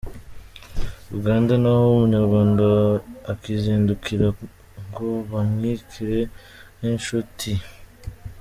Buganda, ntaho umunyarwanda akizindukira ngo bamwakire nk’inshutsi.